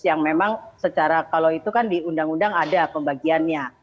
yang memang secara kalau itu kan di undang undang ada pembagiannya